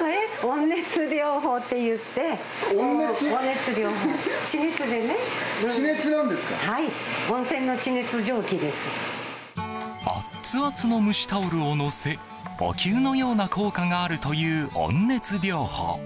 熱々の蒸しタオルを乗せお灸のような効果があるという温熱療法。